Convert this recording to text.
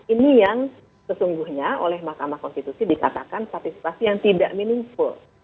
ini yang sesungguhnya oleh mahkamah konstitusi dikatakan partisipasi yang tidak meaningful